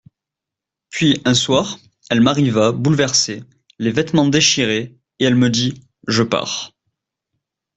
Puis, un soir, elle m'arriva, bouleversée, les vêtements déchirés, et elle me dit : Je pars.